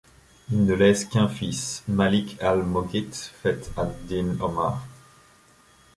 Il ne laisse qu’un fils Malik al-Moghith Feth ad-Din Omar.